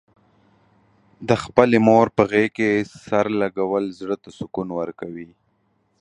د خپلې مور په غېږه کې سر لږول، زړه ته سکون ورکوي.